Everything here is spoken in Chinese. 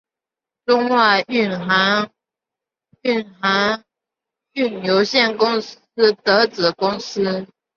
中外运航运有限公司的子公司。